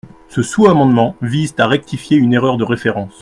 Ce sous-amendement vise à rectifier une erreur de référence.